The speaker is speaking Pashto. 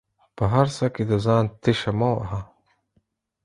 په هر څه کې د ځان تيشه مه وهه